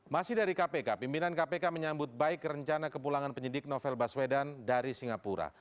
masih dari kpk pimpinan kpk menyambut baik rencana kepulangan penyidik novel baswedan dari singapura